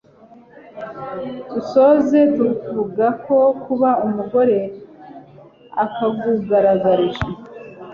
dusoze tuvuga ko kuba umugore akugaragarije